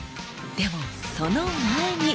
でもその前に。